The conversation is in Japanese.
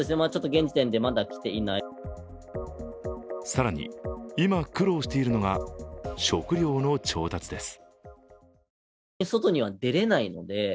更に今、苦労しているのが食料の調達です。